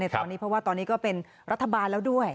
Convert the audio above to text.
ตอนนี้เพราะว่าตอนนี้ก็เป็นรัฐบาลแล้วด้วย